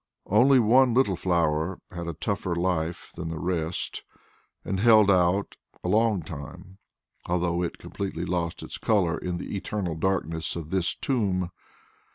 Only one little flower had a tougher life than the rest and held out a long time, although it completely lost its colour in the eternal darkness of this tomb.